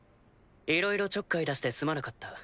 いろいろちょっかい出してすまなかった。